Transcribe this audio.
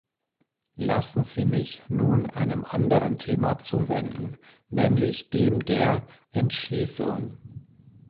Lassen Sie mich nun einem anderen Thema zuwenden, nämlich dem der Entschließung.